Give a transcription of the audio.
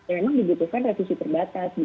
memang dibutuhkan revisi terbatas